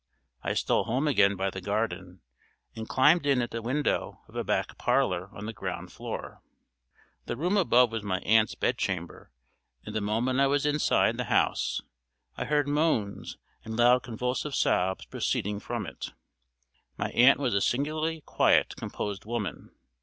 I stole home again by the garden, and climbed in at the window of a back parlor on the ground floor. The room above was my aunt's bedchamber, and the moment I was inside the house I heard moans and loud convulsive sobs proceeding from it. My aunt was a singularly quiet, composed woman.